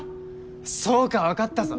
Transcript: そうか分かったぞ